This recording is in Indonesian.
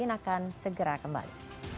akan segera kembali